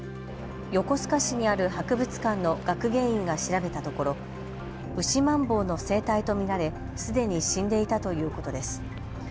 横須賀市にある博物館の学芸員が調べたところウシマンボウの成体と見られすでに死んでいたということです。